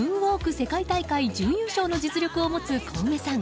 世界大会準優勝の実力を持つコウメさん